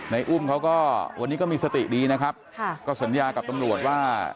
อุ้มเขาก็วันนี้ก็มีสติดีนะครับค่ะก็สัญญากับตำรวจว่า